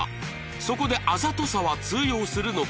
そこであざとさは通用するのか？